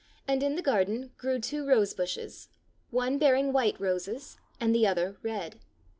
and in the garden grew two rose bushes, one bearing white roses and the other red.